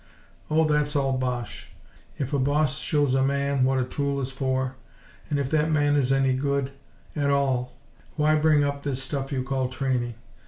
"Oh, that's all bosh! If a boss shows a man what a tool is for; and if that man is any good, at all, why bring up this stuff you call training?